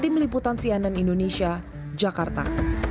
tim liputan cnn indonesia jakarta